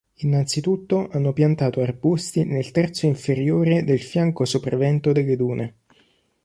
Innanzitutto hanno piantato arbusti nel terzo inferiore del fianco sopravento delle dune.